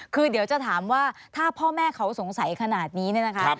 คือเดี๋ยวจะถามว่าถ้าพ่อแม่เขาสงสัยขนาดนี้เนี่ยนะคะ